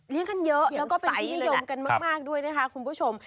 กันเยอะแล้วก็เป็นที่นิยมกันมากด้วยนะคะคุณผู้ชม